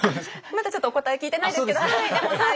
まだちょっとお答え聞いてないですけどはいでも採用。